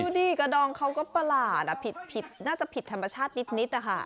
ดิกระดองเขาก็ประหลาดผิดน่าจะผิดธรรมชาตินิดนะคะ